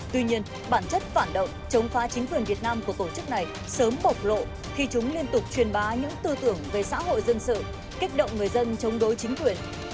tuy nhiên bản chất phản động chống phá chính quyền việt nam của tổ chức này sớm bộc lộ khi chúng liên tục truyền bá những tư tưởng về xã hội dân sự kích động người dân chống đối chính quyền